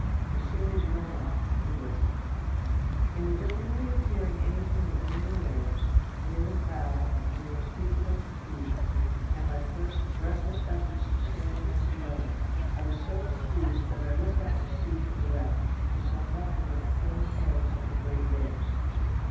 The scene is Yarmouth, England: "In the difficulty of hearing anything but wind and waves, and in the crowd, and the unspeakable confusion, and my first breathless efforts to stand against the weather, I was so confused that I looked out to sea for the wreck, and saw nothing but the foaming heads of the great waves.